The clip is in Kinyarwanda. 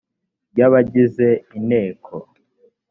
ry abagize inteko